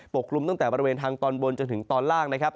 กลุ่มตั้งแต่บริเวณทางตอนบนจนถึงตอนล่างนะครับ